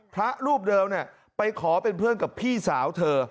พระรูปเดิมไปขอเป็นเพื่อนกับพี่สาวเธอ